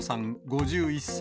５１歳。